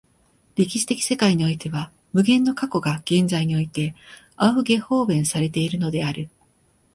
歴史的世界においては無限の過去が現在においてアウフゲホーベンされているのである。